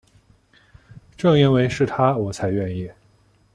正因为是他我才愿意